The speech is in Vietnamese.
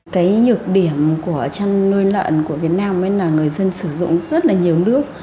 cái nhược điểm của chăn nuôi lợn của việt nam là người dân sử dụng rất là nhiều nước